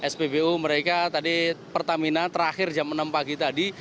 spbu mereka tadi pertamina terakhir jam enam pagi tadi